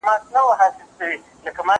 زه به اوږده موده سبا ته فکر کړی وم!؟